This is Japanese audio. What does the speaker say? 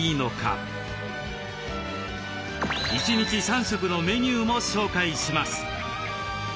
１日３食のメニューも紹介します。